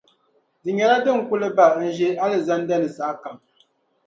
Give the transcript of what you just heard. Di nyɛla din kuli ba n-ʒe alizanda ni sahakam.